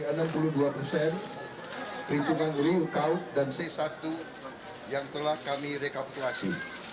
perhitungan liu kaut dan c satu yang telah kami rekapitulasi